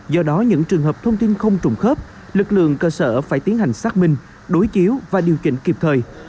do đó những trường hợp thông tin không trùng khớp lực lượng cơ sở phải tiến hành xác minh đối chiếu và điều chỉnh kịp thời